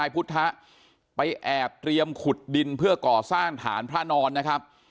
พุทธไปแอบเตรียมขุดดินเพื่อก่อสร้างฐานพระนอนนะครับ